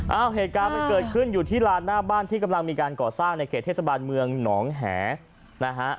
เหตุการณ์มันเกิดขึ้นอยู่ที่ลานหน้าบ้านที่กำลังมีการก่อสร้างในเขตเทศบาลเมืองหนองแหนะฮะ